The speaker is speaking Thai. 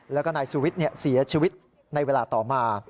แล้วก็นายสุวิทย์เสียชีวิตในเวลาต่อมา